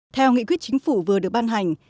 theo nghị quyết chính phủ vừa được ban hành